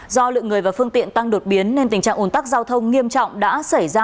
do lượng người và phương tiện tăng đột biến nên tình trạng ồn tắc giao thông nghiêm trọng đã xảy ra